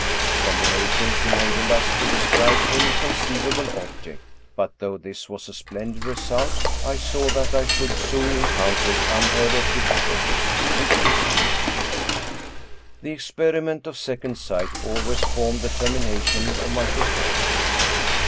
Its combina tions Enabled us to describe any conceivable object; but, though this was a splendid result, I saw that I should soon encounter unheard of difficulties in executing it. The experiment of second sight always formed the ter mination of my performance.